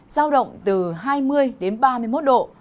giao động từ hai mươi đến ba mươi một độ